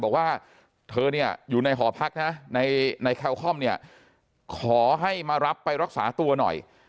บอกว่าเธอเนี่ยอยู่ในหอพักนะในแคลคอมเนี่ยขอให้มารับไปรักษาตัวหน่อย